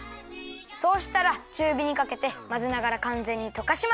そうしたらちゅうびにかけてまぜながらかんぜんにとかします。